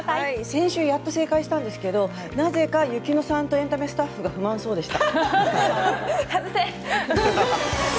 先週やっと正解したんですけどなぜか雪乃さんとエンタメスタッフが不満そうでした。